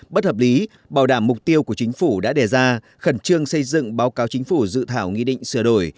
bất hợp lý bảo đảm mục tiêu của chính phủ đã đề ra khẩn trương xây dựng báo cáo chính phủ dự thảo nghị định sửa đổi